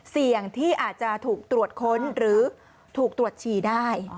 เสี่ยงที่อาจจะถูกตรวจค้นหรือถูกตรวจฉี่ได้